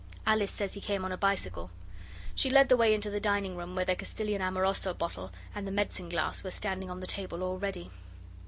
Alice says he came on a bicycle. She led the way into the dining room, where the Castilian Amoroso bottle and the medicine glass were standing on the table all ready.